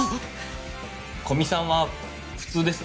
古見さんは普通です。